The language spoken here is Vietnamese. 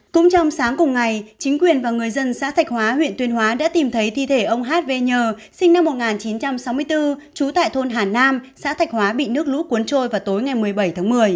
cũng trong sáng cùng ngày chính quyền và người dân xã thạch hóa huyện tuyên hóa đã tìm thấy thi thể ông hv nhờ sinh năm một nghìn chín trăm sáu mươi bốn trú tại thôn hà nam xã thạch hóa bị nước lũ cuốn trôi vào tối ngày một mươi bảy tháng một mươi